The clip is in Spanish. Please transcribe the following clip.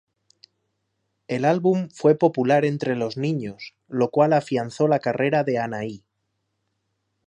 El álbum fue popular entre los niños lo cual afianzó la carrera de Anahí.